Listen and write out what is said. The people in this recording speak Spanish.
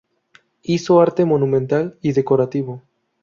Hizo arte monumental y decorativo.